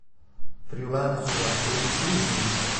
Friulana Subacquei di Udine.